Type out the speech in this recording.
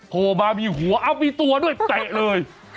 โหมามีหัวเอ้ามีตัวด้วยเตะเลย